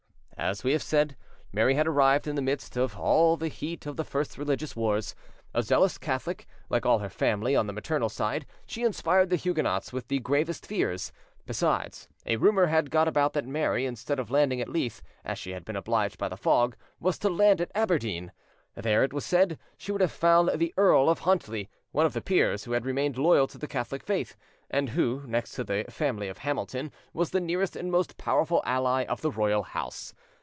As we have said, Mary had arrived in the midst of all the heat of the first religious wars. A zealous Catholic, like all her family on the maternal side, she inspired the Huguenots with the gravest fears: besides, a rumour had got about that Mary, instead of landing at Leith, as she had been obliged by the fog, was to land at Aberdeen. There, it was said, she would have found the Earl of Huntly, one of the peers who had remained loyal to the Catholic faith, and who, next to the family of Hamilton, was, the nearest and most powerful ally of the royal house.